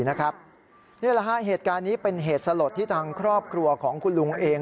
นี่แหละฮะเหตุการณ์นี้เป็นเหตุสลดที่ทางครอบครัวของคุณลุงเอง